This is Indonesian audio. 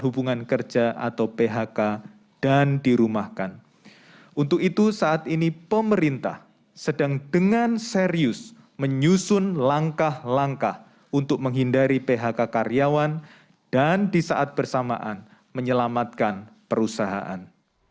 kemenaker juga akan membuat formulasi untuk mencegah terjadinya ppk dan kebangkrutan perusahaan selama ppkm darurat diberlakukan